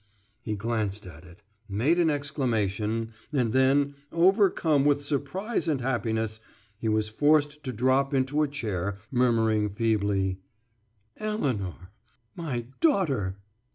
He glanced at it, made an exclamation, and then, overcome with surprise and happiness, he was forced to drop into a chair, murmuring feebly: "Elinor! My daughter!"